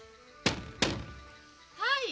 ・はい。